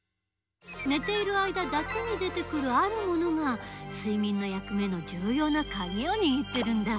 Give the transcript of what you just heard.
寝ている間だけに出てくるあるものが睡眠の役目のじゅうようなカギをにぎってるんだ。